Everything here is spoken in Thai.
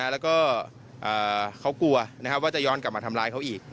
แล้วก็เขากลัวว่าจะย้อนกลับมาทำร้ายเขาอีก